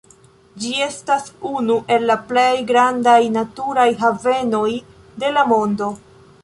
Ĝi estas unu el la plej grandaj naturaj havenoj de la mondo.